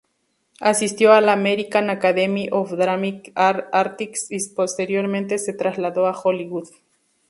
Asistió a la American Academy of Dramatic Arts y posteriormente se trasladó a Hollywood.